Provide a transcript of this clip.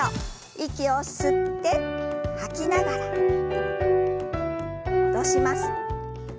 息を吸って吐きながら戻します。